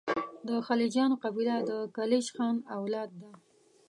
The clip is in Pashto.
د خلجیانو قبیله د کلیج خان اولاد ده.